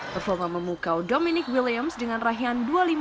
performa memukau dominic williams dengan rahian dua ratus lima puluh lima